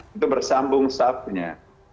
itu bersambung sahabatnya